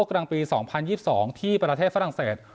กลางปี๒๐๒๒ที่ประเทศฝรั่งเศส